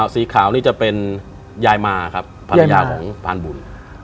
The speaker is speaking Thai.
สีขาวนี่จะเป็นยายมาครับภรรยาของพานบุญ